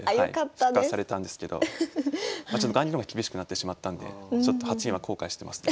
復活されたんですけど雁木の方が厳しくなってしまったんでちょっと後悔してますね。